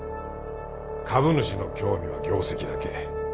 株主の興味は業績だけ。